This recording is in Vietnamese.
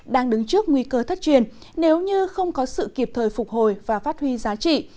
đang đứng trước nguy cơ thất truyền nếu như không có sự kịp thời phục hồi và phát huy giá trị